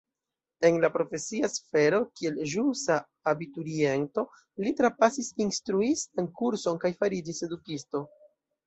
En la profesia sfero kiel ĵusa abituriento li trapasis instruistan kurson kaj fariĝis edukisto.